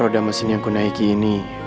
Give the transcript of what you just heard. roda mesin yang aku naiki ini